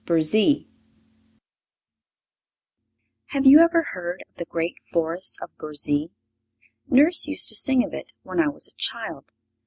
Burzee Have you heard of the great Forest of Burzee? Nurse used to sing of it when I was a child.